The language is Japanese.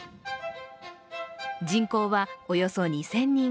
人口はおよそ２０００人。